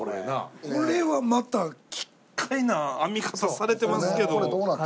これはまた奇っ怪な編み方されてますけど。